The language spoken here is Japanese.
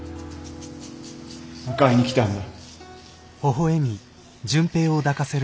迎えに来たんだ。